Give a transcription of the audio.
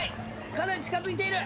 かなり近づいている。